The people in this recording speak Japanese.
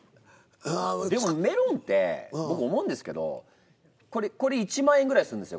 でもメロンって僕思うんですけどこれ１万円ぐらいするんですよ